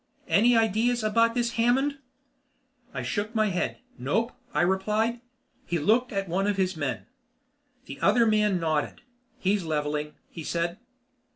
"Any ideas about this, Hammond?" I shook my head. "Nope," I replied. He looked at one of his men. The other man nodded. "He's levelling," he said.